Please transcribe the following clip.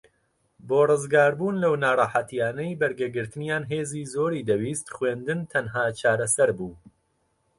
بۆ ڕزگاربوون لەو ناڕەحەتیانەی بەرگەگرتنیان هێزی زۆری دەویست خوێندن تەنھا چارەسەر بوو